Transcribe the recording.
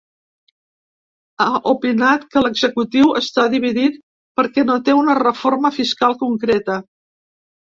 Ha opinat que l’executiu està dividit perquè no té una reforma fiscal concreta.